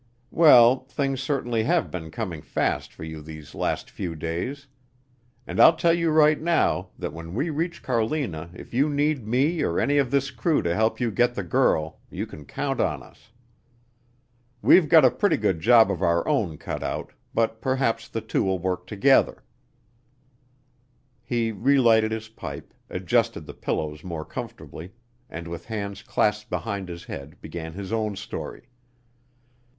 Well, things certainly have been coming fast for you these last few days. And I'll tell you right now that when we reach Carlina if you need me or any of this crew to help you get the girl, you can count on us. We've got a pretty good job of our own cut out, but perhaps the two will work together." He relighted his pipe, adjusted thyhe pillows more comfortably, and with hands clasped behind his head began his own story.